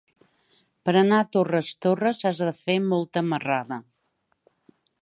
Per anar a Torres Torres has de fer molta marrada.